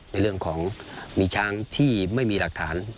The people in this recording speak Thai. ในเรื่องของมีช้างที่ไม่มีหลักฐาน